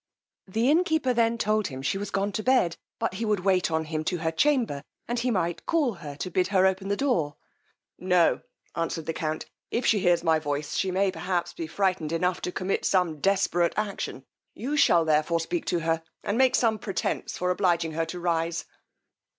The innkeeper then told him she was gone to bed, but he would wait on him to her chamber, and he might call to her to bid her open the door. No, answered the count, if she hears my voice she may, perhaps, be frighted enough to commit some desperate action: you shall therefore speak to her, and make some pretence for obliging her to rise.